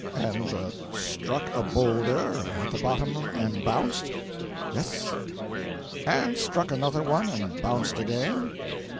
'And struck a boulder at the bottom and bounced?' 'Yes.' 'And struck another one and bounced again?'